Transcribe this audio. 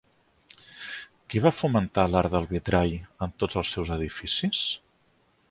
Qui va fomentar l'art del vitrall en tots els seus edificis?